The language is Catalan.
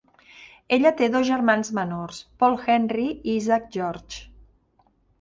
Ella té dos germans menors, Paul Henri i Isaac Georges.